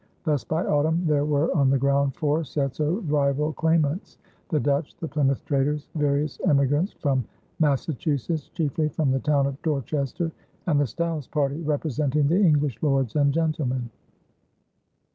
Thus by autumn there were on the ground four sets of rival claimants: the Dutch, the Plymouth traders, various emigrants from Massachusetts, chiefly from the town of Dorchester, and the Stiles party, representing the English lords and gentlemen.